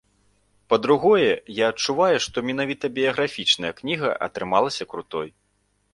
Па-другое, я адчуваю, што менавіта біяграфічная кніга атрымалася крутой.